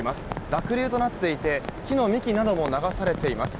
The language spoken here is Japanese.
濁流となっていて木の幹なども流されています。